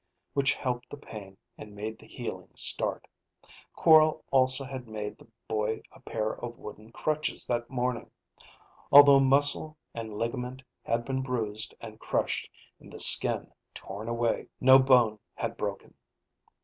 which helped the pain and made the healing start. Quorl also had made the boy a pair of wooden crutches that morning. Although muscle and ligament had been bruised and crushed and the skin torn away, no bone had broken.